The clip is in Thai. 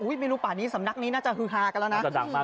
ไม่รู้ป่านี้สำนักนี้น่าจะฮือฮากันแล้วนะ